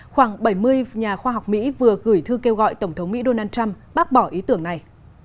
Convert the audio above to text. khoảng bảy mươi nhà khoa học mỹ vừa gửi thư kêu gọi tổng thống mỹ donald trump bác bỏ ý tưởng này